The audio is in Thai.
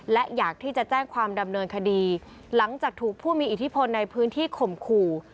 และอยากที่จะแจ้งความดำเนินคดีหลังจากถูกผู้มีอิทธิพลในพื้นที่ข่มขู่